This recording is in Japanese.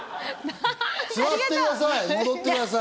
座ってください。